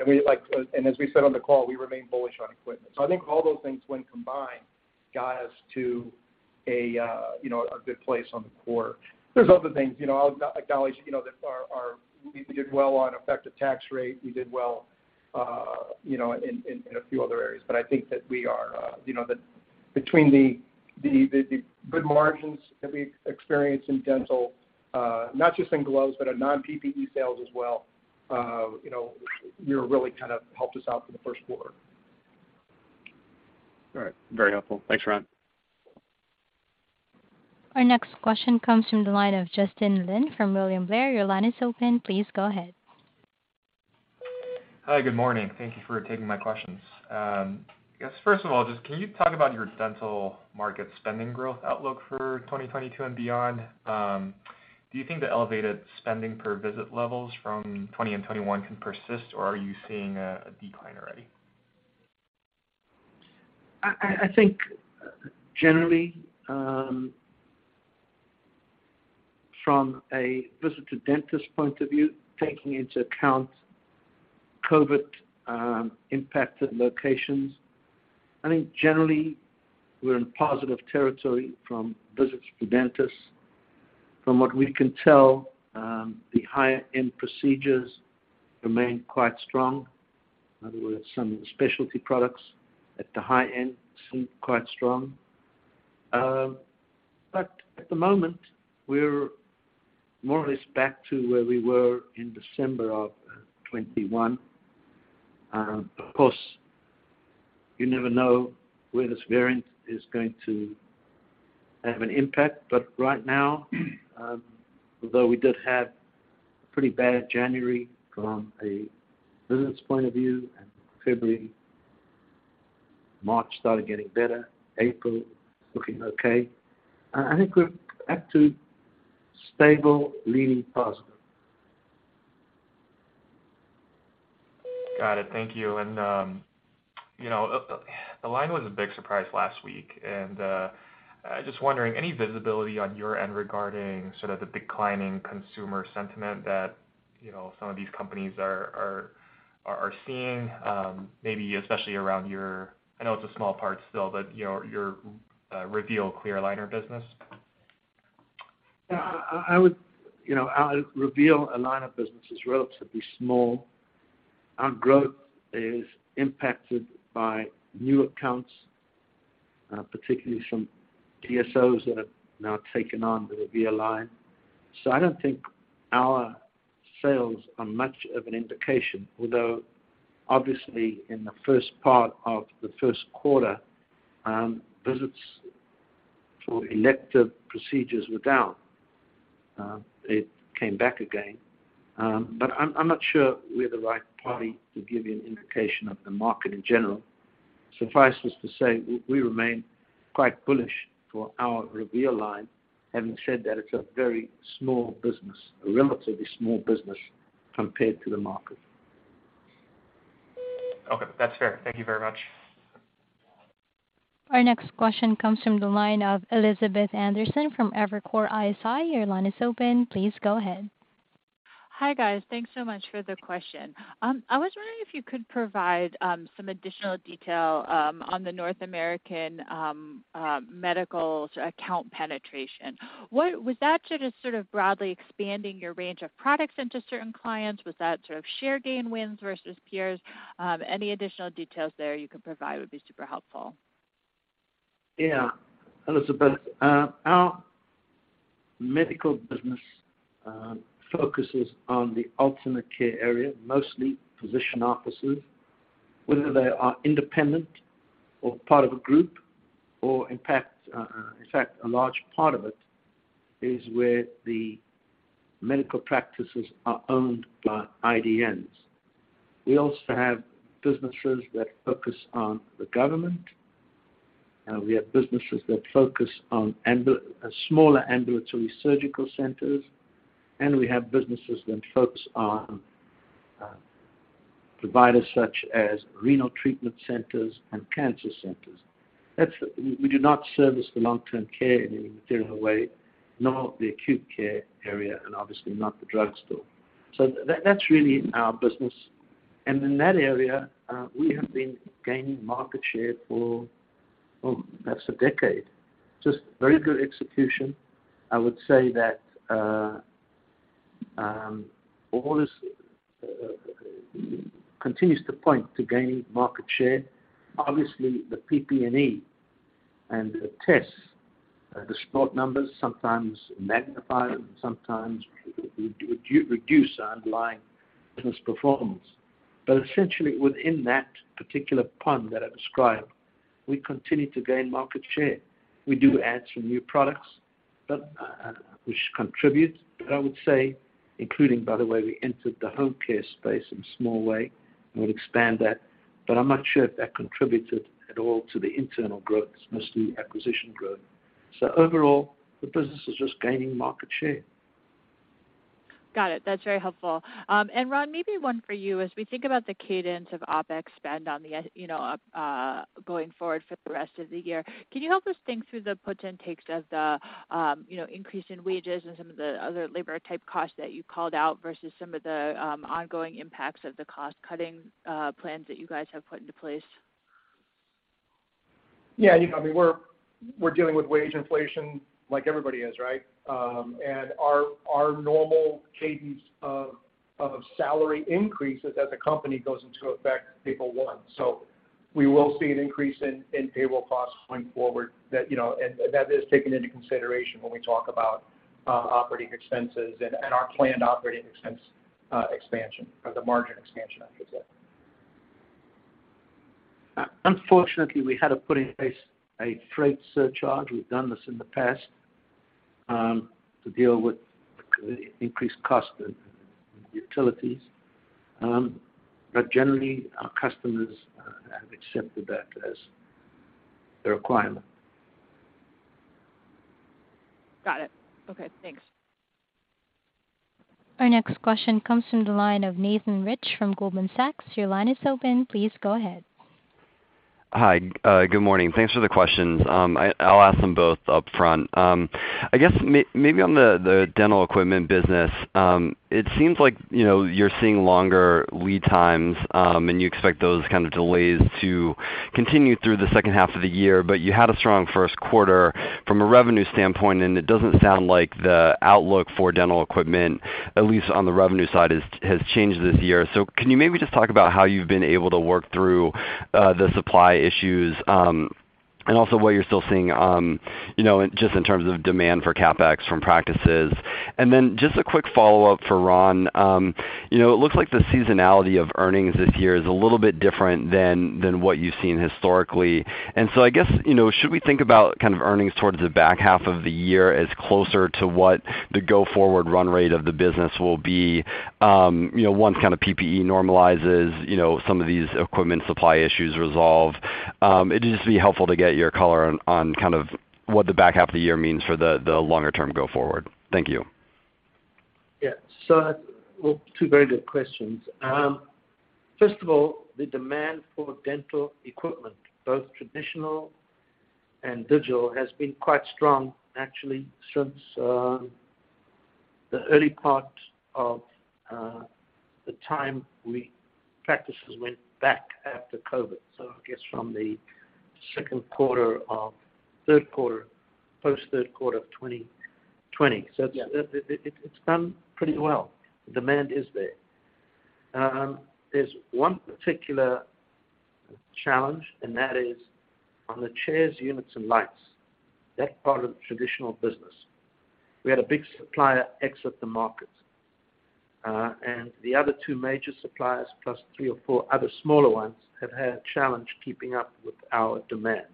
We like and as we said on the call, we remain bullish on equipment. I think all those things when combined got us to a good place on the quarter. There's other things I'll acknowledge that we did well on effective tax rate. We did well in a few other areas. I think the good margins that we experienced in dental, not just in gloves, but our non-PPE sales as well, really kind of helped us out for the first quarter. All right. Very helpful. Thanks, Ron. Our next question comes from the line of Jon Block from William Blair. Your line is open. Please go ahead. Hi, good morning. Thank you for taking my questions. I guess, first of all, just can you talk about your dental market spending growth outlook for 2022 and beyond? Do you think the elevated spending per visit levels from 2020 and 2021 can persist, or are you seeing a decline already? I think generally, from a visit to dentist point of view, taking into account COVID, impacted locations, I think generally we're in positive territory from visits to dentists. From what we can tell, the higher end procedures remain quite strong. In other words, some specialty products at the high end seem quite strong. At the moment, we're more or less back to where we were in December of 2021. Of course, you never know where this variant is going to have an impact. Right now, although we did have pretty bad January from a business point of view, and February, March started getting better, April looking okay, I think we're back to stable, leaning positive. Got it. Thank you. Align was a big surprise last week, and just wondering, any visibility on your end regarding sort of the declining consumer sentiment that, you know, some of these companies are seeing, maybe especially around your, I know it's a small part still, but, you know, your Reveal clear aligner business? Yeah. I would. You know, our Reveal aligner business is relatively small. Our growth is impacted by new accounts, particularly some DSOs that have now taken on the align. I don't think our sales are much of an indication, although obviously in the first part of the first quarter, visits for elective procedures were down. It came back again. But I'm not sure we're the right party to give you an indication of the market in general. Suffice it to say, we remain quite bullish for our Reveal line, having said that it's a very small business, a relatively small business compared to the market. Okay. That's fair. Thank you very much. Our next question comes from the line of Elizabeth Anderson from Evercore ISI. Your line is open. Please go ahead. Hi, guys. Thanks so much for the question. I was wondering if you could provide some additional detail on the North American medical sales account penetration. Was that just sort of broadly expanding your range of products into certain clients? Was that sort of share gain wins versus peers? Any additional details there you could provide would be super helpful. Yeah. Elizabeth, our medical business focuses on the outpatient care area, mostly physician offices, whether they are independent or part of a group, or in fact, a large part of it is where the medical practices are owned by IDNs. We also have businesses that focus on the government, we have businesses that focus on smaller ambulatory surgical centers, and we have businesses that focus on providers such as renal treatment centers and cancer centers. That's. We do not service the long-term care in any material way, nor the acute care area, and obviously not the drugstore. So that's really our business. In that area, we have been gaining market share for, well, perhaps a decade. Just very good execution. I would say that all this continues to point to gaining market share. Obviously, the PPE and the tests, the spot numbers sometimes magnify and sometimes reduce our underlying business performance. Essentially, within that particular pond that I described, we continue to gain market share. We do add some new products, which contribute. I would say, including, by the way, we entered the home care space in a small way, and we'll expand that, but I'm not sure if that contributed at all to the internal growth. It's mostly acquisition growth. Overall, the business is just gaining market share. Got it. That's very helpful. Ron, maybe one for you. As we think about the cadence of OpEx spend going forward for the rest of the year, can you help us think through the puts and takes of the increase in wages and some of the other labor type costs that you called out versus some of the ongoing impacts of the cost-cutting plans that you guys have put into place? Yeah. You know, I mean, we're dealing with wage inflation like everybody is, right? Our normal cadence of salary increases as a company goes into effect April 1. We will see an increase in payroll costs going forward that, you know, and that is taken into consideration when we talk about operating expenses and our planned operating expense expansion or the margin expansion, I should say. Unfortunately, we had to put in place a freight surcharge. We've done this in the past, to deal with increased cost of utilities. Generally, our customers have accepted that as the requirement. Got it. Okay, thanks. Our next question comes from the line of Nathan Rich from Goldman Sachs. Your line is open. Please go ahead. Hi. Good morning. Thanks for the questions. I'll ask them both upfront. I guess maybe on the dental equipment business, it seems like, you know, you're seeing longer lead times, and you expect those kind of delays to continue through the second half of the year. You had a strong first quarter from a revenue standpoint, and it doesn't sound like the outlook for dental equipment, at least on the revenue side, has changed this year. Can you maybe just talk about how you've been able to work through the supply issues, and also what you're still seeing, you know, just in terms of demand for CapEx from practices? Then just a quick follow-up for Ron. You know, it looks like the seasonality of earnings this year is a little bit different than what you've seen historically. I guess, you know, should we think about kind of earnings towards the back half of the year as closer to what the go-forward run rate of the business will be, you know, once kind of PPE normalizes, you know, some of these equipment supply issues resolve? It'd just be helpful to get your color on kind of what the back half of the year means for the longer term go forward. Thank you. Yeah. Two very good questions. First of all, the demand for dental equipment, both traditional and digital, has been quite strong actually since the early part of the time practices went back after COVID. I guess from the third quarter, post third quarter of 2020. It's done pretty well. The demand is there. There's one particular challenge, and that is on the chairs, units, and lights. That part of the traditional business. We had a big supplier exit the market, and the other two major suppliers, plus three or four other smaller ones, have had a challenge keeping up with our demand,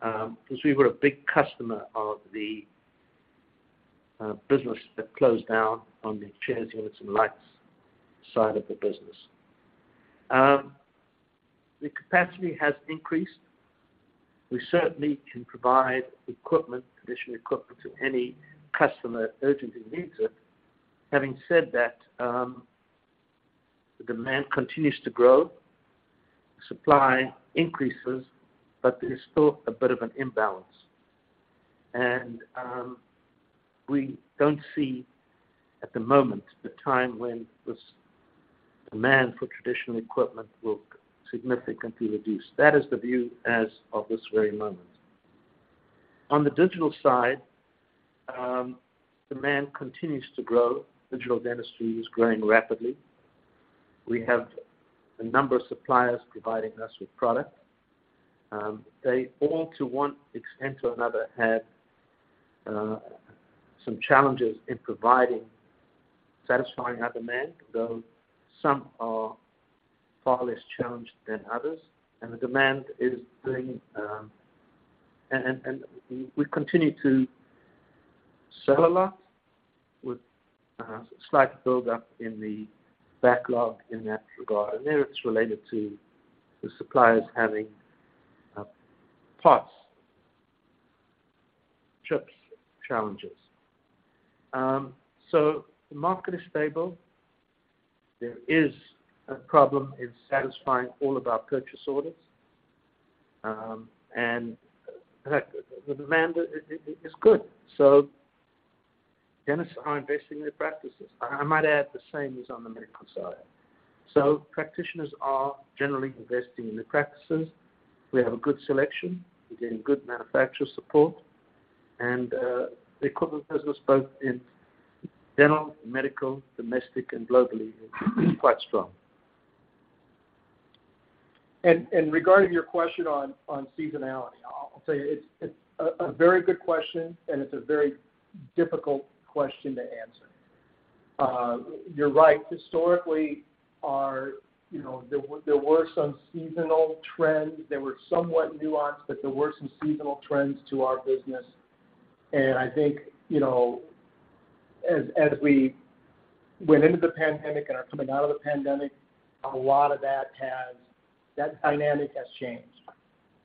because we were a big customer of the business that closed down on the chairs, units, and lights side of the business. The capacity has increased. We certainly can provide equipment, traditional equipment, to any customer who urgently needs it. Having said that, the demand continues to grow, supply increases, but there's still a bit of an imbalance. We don't see at the moment the time when this demand for traditional equipment will significantly reduce. That is the view as of this very moment. On the digital side, demand continues to grow. Digital dentistry is growing rapidly. We have a number of suppliers providing us with product. They all to one extent or another have some challenges in providing satisfying our demand, though some are far less challenged than others, and we continue to sell a lot with a slight buildup in the backlog in that regard. There it's related to the suppliers having parts, chips challenges. The market is stable. There is a problem in satisfying all of our purchase orders, and the demand is good. Dentists are investing in their practices. I might add the same is on the medical side. Practitioners are generally investing in their practices. We have a good selection. We're getting good manufacturer support. The equipment business, both in dental, medical, domestic, and globally, is quite strong. Regarding your question on seasonality, I'll tell you it's a very good question, and it's a very difficult question to answer. You're right. Historically, you know, there were some seasonal trends. They were somewhat nuanced, but there were some seasonal trends to our business. I think, you know, as we went into the pandemic and are coming out of the pandemic, a lot of that dynamic has changed.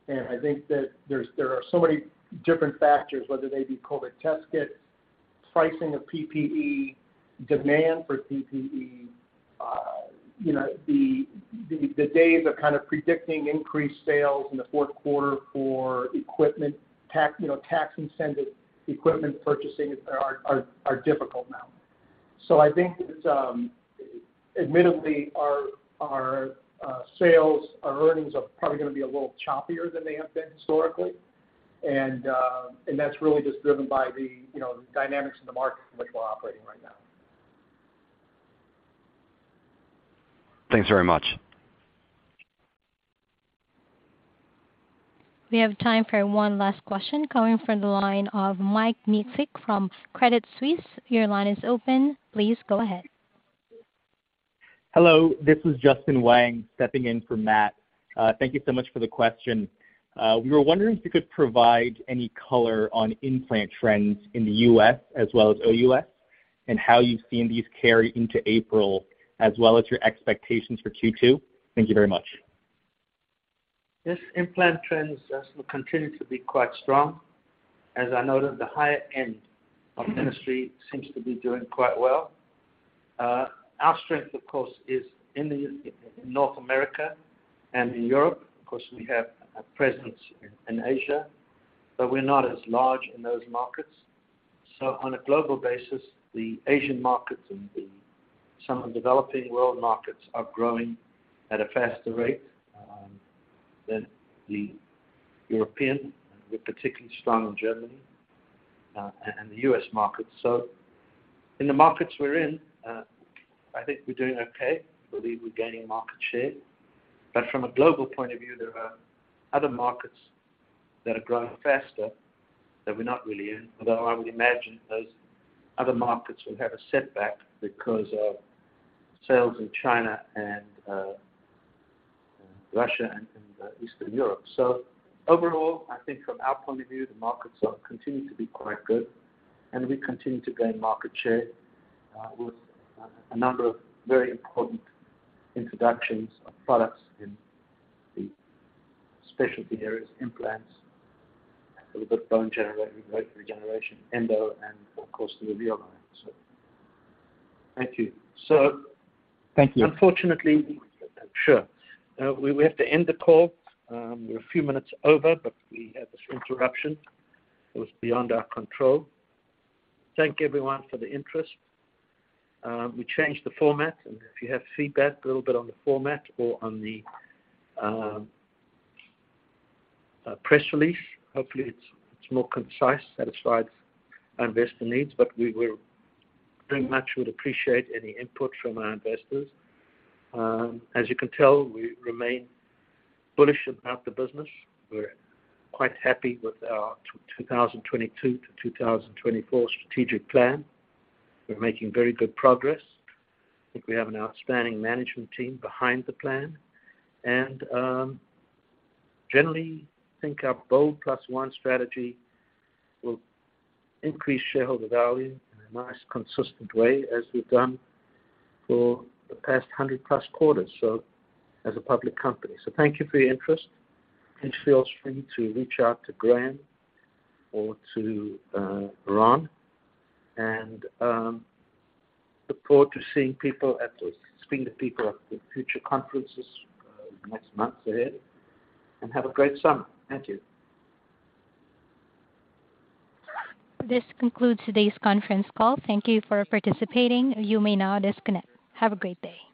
I think that there are so many different factors, whether they be COVID test kits, pricing of PPE, demand for PPE, you know, the days of kind of predicting increased sales in the fourth quarter for equipment tax, you know, tax-incentivized equipment purchasing are difficult now. I think it's admittedly our sales, our earnings are probably gonna be a little choppier than they have been historically. That's really just driven by you know, the dynamics in the market in which we're operating right now. Thanks very much. We have time for one last question coming from the line of Mike Ryskin from Credit Suisse. Your line is open. Please go ahead. Hello, this is Justin Wang stepping in for Matt. Thank you so much for the question. We were wondering if you could provide any color on implant trends in the U.S. as well as OUS, and how you've seen these carry into April as well as your expectations for Q2. Thank you very much. Yes. Implant trends just will continue to be quite strong. As I noted, the higher end of dentistry seems to be doing quite well. Our strength, of course, is in North America and in Europe. Of course, we have a presence in Asia, but we're not as large in those markets. On a global basis, the Asian markets and some of the developing world markets are growing at a faster rate than the European. We're particularly strong in Germany and the U.S. market. In the markets we're in, I think we're doing okay. I believe we're gaining market share. From a global point of view, there are other markets that are growing faster that we're not really in. Although I would imagine those other markets will have a setback because of sales in China and Russia and Eastern Europe. Overall, I think from our point of view, the markets are continuing to be quite good, and we continue to gain market share with a number of very important introductions of products in the specialty areas, implants, a little bit of bone regeneration, endo and of course the Reveal line. Thank you. Thank you. Sure. We have to end the call. We're a few minutes over, but we had this interruption. It was beyond our control. Thank everyone for the interest. We changed the format, and if you have feedback a little bit on the format or on the press release, hopefully it's more concise, satisfies investor needs. But we will very much would appreciate any input from our investors. As you can tell, we remain bullish about the business. We're quite happy with our 2022-2024 strategic plan. We're making very good progress. I think we have an outstanding management team behind the plan. Generally think our BOLD+1 strategy will increase shareholder value in a nice, consistent way as we've done for the past 100+ quarters, so as a public company. Thank you for your interest. Please feel free to reach out to Graham or to Ron. Look forward to seeing people at the future conferences next months ahead. Have a great summer. Thank you. This concludes today's conference call. Thank you for participating. You may now disconnect. Have a great day.